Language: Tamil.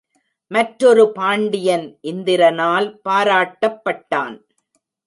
மற்றொரு பாண்டியன் இந்திரனால் பாராட்டப்பட்டான்.